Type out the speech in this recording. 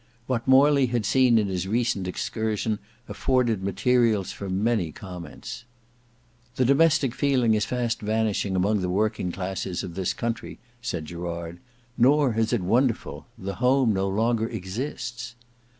What Morley had seen in his recent excursion afforded materials for many comments. "The domestic feeling is fast vanishing among the working classes of this country," said Gerard; "nor is it wonderful—the Home no longer exists."